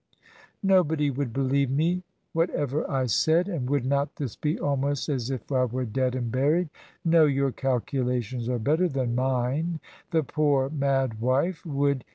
... Nobody would believe me whatever I said. ... And would not this be almost as if I were dead and buried? No; your calculations are better than mine: the poor mad wife would